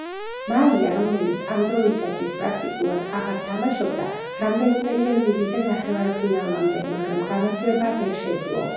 მაია, რომელიც ამ დროისათვის პრაქტიკულად აღარ თამაშობდა, რამდენიმეჯერ მივიდა ნახევარფინალამდე, მაგრამ გამარჯვება ვერ შეძლო.